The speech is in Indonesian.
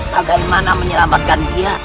bagaimana menyelamatkan dia